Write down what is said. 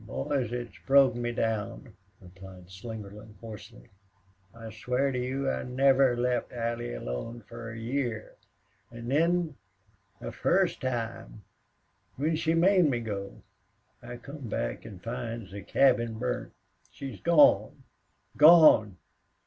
"Boys, it's broke me down!" replied Slingerland, hoarsely. "I swear to you I never left Allie alone fer a year an' then the fust time when she made me go I come back an' finds the cabin burnt.... She's gone! Gone!...